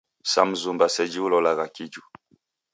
Sa mzumba seji ulolagha kiju.